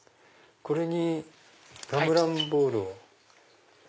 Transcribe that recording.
これにガムランボールを。